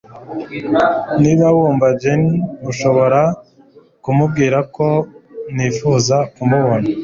Niba wumva Jenny, ushobora kumubwira ko nifuza kumubona?